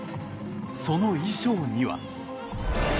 その衣装には。